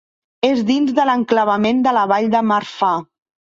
És dins de l'enclavament de la Vall de Marfà.